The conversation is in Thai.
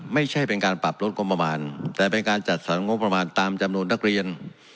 ไม่ใช่เป็นการปรับลดงบประมาณแต่เป็นการจัดสรรงบประมาณตามจำนวนนักเรียน